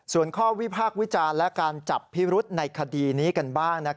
ส่วนข้อวิพากษ์วิจารณ์และการจับพิรุษในคดีนี้กันบ้าง